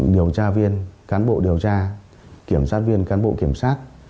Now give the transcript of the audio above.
điều tra viên cán bộ điều tra kiểm sát viên cán bộ kiểm sát